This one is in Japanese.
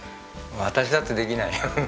私だってできないよ。ハハハ。